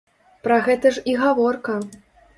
Пра гэта ж і гаворка.